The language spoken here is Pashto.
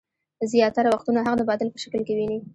زياتره وختونه حق د باطل په شکل کې ويني.